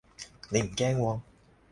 你唔驚喎